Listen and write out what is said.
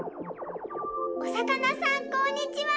おさかなさんこんにちは！